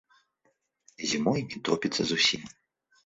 Зімой не топіцца зусім.